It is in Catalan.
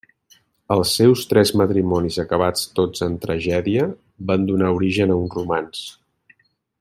Els seus tres matrimonis, acabats tots en tragèdia, van donar origen a un romanç.